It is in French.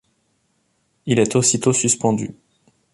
Il est aussitôt suspendu.